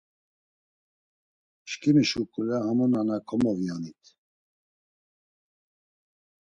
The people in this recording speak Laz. Şǩimi şuǩule hamu nana komoviyonit.